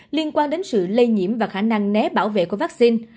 liên quan đến sự lây nhiễm và khả năng né bảo vệ của vaccine